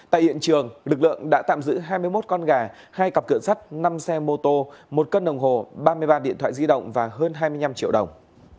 tại hiện trường lực lượng đã tạm giữ hai mươi một con gà hai cặp cửa sắt năm xe mô tô một cân đồng hồ ba mươi ba điện thoại di động và hơn hai mươi năm triệu đồng